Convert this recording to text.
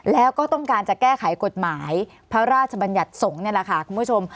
แล้วก็ต้องการจะแก้ไขกฎหมายพระราชบัญญัติสงฆ์นี่แหละค่ะคุณผู้ชม